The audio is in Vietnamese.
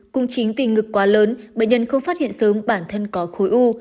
cung chính vì ngực quá lớn bệnh nhân không phát hiện sớm bản thân có khối u